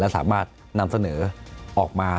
สามารถนำเสนอออกมา